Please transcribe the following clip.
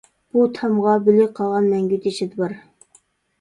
بۇ تامغا بىلگە قاغان مەڭگۈ تېشىدا بار.